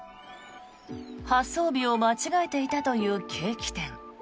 発送日を間違えていたというケーキ店。